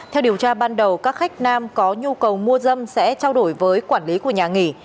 theo điều tra ban đầu các khách nam có nhu cầu mua dâm sẽ trao đổi với quản lý của nhà nghỉ